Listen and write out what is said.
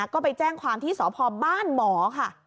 ก็ไปแจ้งความที่สพบ้านหมอค่ะ